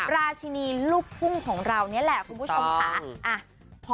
ราชินีลูกทุ่งของเรานี่แหละคุณผู้ชมค่ะ